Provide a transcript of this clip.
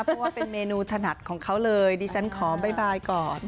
เพราะว่าเป็นเมนูถนัดของเขาเลยดิฉันขอบ๊ายบายก่อน